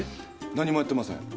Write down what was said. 何もやってません。